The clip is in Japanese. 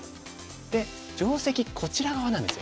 で定石こちら側なんですよ。